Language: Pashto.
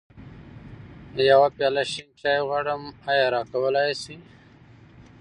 يوه پياله شين چای غواړم، ايا راکولی يې شې؟